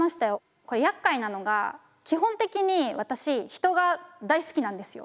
これやっかいなのが基本的に私人が大好きなんですよ。